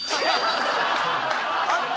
あった？